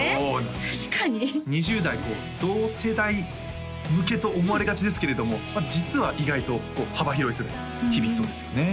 ２０代同世代向けと思われがちですけれどもまあ実は意外とこう幅広い世代に響きそうですよね